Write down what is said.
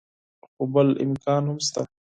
خو بل امکان هم شته.